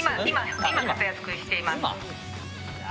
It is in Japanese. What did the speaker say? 今活躍しています今？